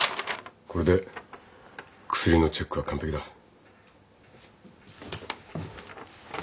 これで薬のチェックは完ぺきだ。